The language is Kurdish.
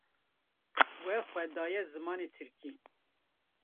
We xwe daye zimanê Tirkî